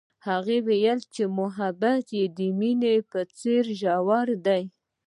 هغې وویل محبت یې د مینه په څېر ژور دی.